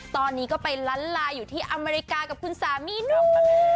ตอนนี้ก็ไปล้านลาอยู่ที่อเมริกากับคุณสามีหนุ่ม